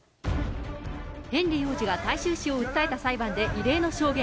ヘンリー王子が大衆紙を訴えた裁判で、異例の証言。